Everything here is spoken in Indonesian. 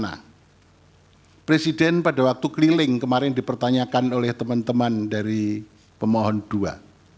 nah presiden pada waktu keliling kemarin dipertanyakan oleh teman teman dari pemohon dua